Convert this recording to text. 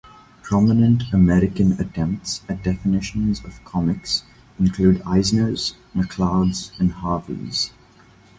Prominent American attempts at definitions of comics include Eisner's, McCloud's, and Harvey's.